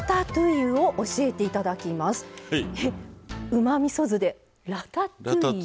うまみそ酢でラタトゥイユ。